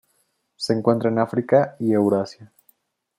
Se encuentra en África y Eurasia.